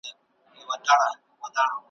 ډېر ښکلي کلمات یې اوډلي او زه پوهېږم ,